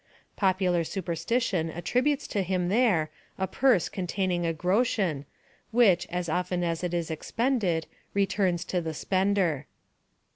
Popular superstition attributes to him there a purse containing a groschen, which, as often as it is expended, returns to the spender.